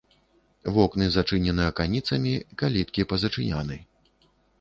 Вокны зачынены аканіцамі, каліткі пазачыняны.